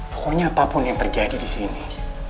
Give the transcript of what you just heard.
pokoknya apapun yang terjadi disini